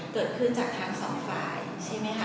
เกิดพลื่นจากทางสองฝ่ายใช่ไหมค่ะ